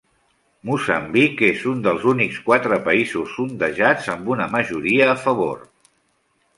Moçambic és un dels únics quatre països sondejats amb una majoria a favor.